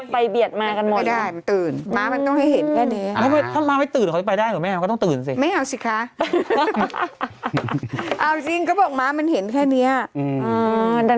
ได้อีกอย่างนึงเขาบอกว่าม้ามันเห็นแค่นี้ด้วย